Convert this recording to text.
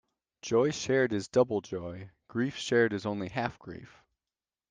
Joy shared is double joy; grief shared is only half grief.